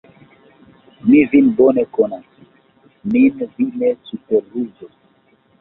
Mi vin bone konas, min vi ne superruzos!